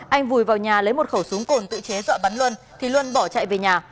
anh vùi vào nhà lấy một khẩu súng cồn tự chế dọa bắn luân thì luân bỏ chạy về nhà